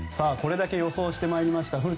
これだけ予想してまいりました。